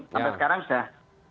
sampai sekarang sudah